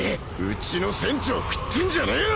うちの船長を食ってんじゃねえよ！